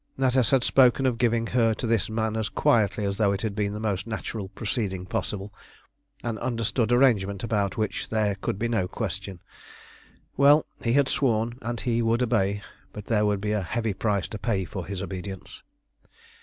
Natas had spoken of giving her to this man as quietly as though it had been the most natural proceeding possible, an understood arrangement about which there could be no question. Well, he had sworn, and he would obey, but there would be a heavy price to pay for his obedience.